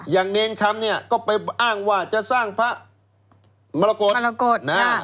อย่างเนรคัมเนี่ยก็ไปอ้างว่าจะสร้างพระมรกฎ